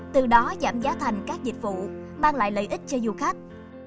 từ đó giảm giá thành các dịch vụ mang lại lợi ích cho du khách